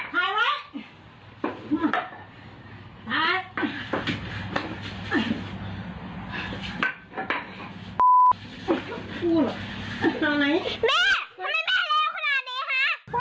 แม่เอามีดมาเอามีดมา